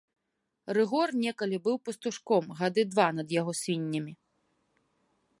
Рыгор некалі быў пастушком гады два над яго свіннямі.